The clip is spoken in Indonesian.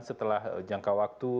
setelah jangka waktu